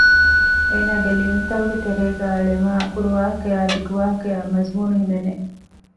އޭނާގެ ލިޔުންތަކުގެ ތެރޭގައި ޅެމާއި ކުރުވާހަކައާއި ދިގު ވާހަކަޔާއި މަޒުމޫނު ހިމެނެ